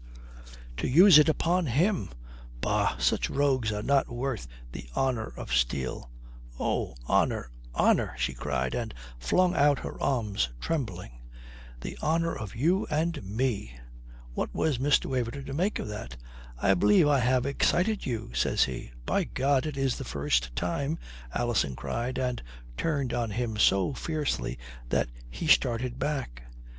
"To use it upon him! Bah, such rogues are not worth the honour of steel." "Oh! Honour! Honour!" she cried and flung out her arms, trembling. "The honour of you and me!" What was Mr. Waverton to make of that? "I believe I have excited you," says he. "By God, it is the first time," Alison cried and turned on him so fiercely that he started back.